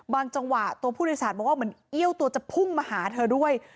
จังหวะตัวผู้โดยสารบอกว่าเหมือนเอี้ยวตัวจะพุ่งมาหาเธอด้วย